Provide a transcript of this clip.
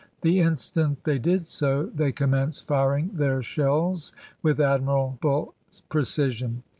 The instant they did so they commenced firing their shells with admirable precision.